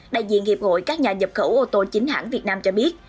đại diện hiệp hội các nhà nhập khẩu ô tô chính hãng việt nam cho biết